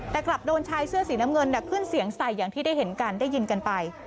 แต่กลับโดนชายเสื้อสีน้ำเงินขึ้นเสียงใส่อย่างที่ได้เห็นกันได้ยินกันไป